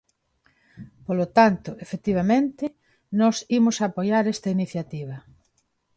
Polo tanto, efectivamente nós imos apoiar esta iniciativa.